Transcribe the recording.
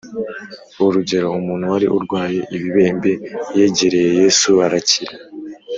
Urugero umuntu wari urwaye ibibembe yegereye Yesu arakira